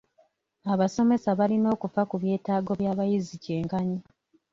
Abasomesa balina okufa ku byetaago by'abayizi kyenkanyi.